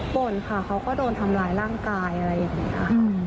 บ่นค่ะเขาก็โดนทำร้ายร่างกายอะไรอย่างนี้ค่ะ